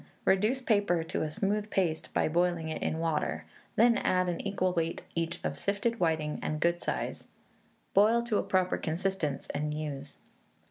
Reduce paper to a smooth paste by boiling it in water; then add an equal weight each of sifted whiting and good size; boil to a proper consistence, and use.